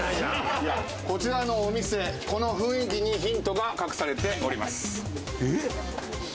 こちらのお店、この雰囲気にヒントが隠されております。